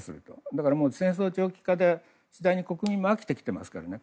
だから戦争長期化で、次第に国民も飽きてきていますからね。